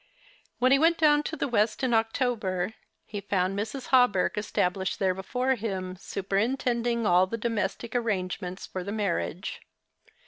When he went do^^•n to the west in October he found Mrs. Hawberk established there before him, superintend ing all the domestic arrangements for the marriage.